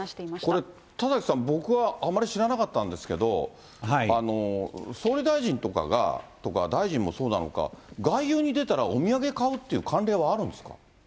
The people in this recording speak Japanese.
これ、田崎さん、僕はあまり知らなかったんですけど、総理大臣とかが、大臣もそうなのか、外遊に出たらお土産買うっていう慣例はあるんですか。